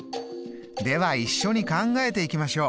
では一緒に考えていきましょう。